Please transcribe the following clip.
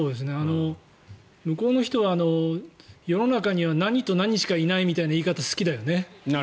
向こうの人は世の中には何と何しかいないみたいな言い方好きだよね。